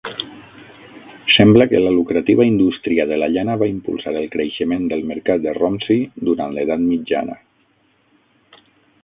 Sembla que la lucrativa indústria de la llana va impulsar el creixement del mercat de Romsey durant l'Edat Mitjana.